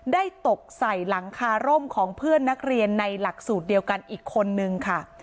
ตกใส่หลังคาร่มของเพื่อนนักเรียนในหลักสูตรเดียวกันอีกคนนึงค่ะ